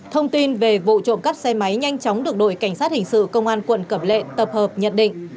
thông tin về vụ trộm cắp xe máy nhanh chóng được đội cảnh sát hình sự công an quận cẩm lệ tập hợp nhận định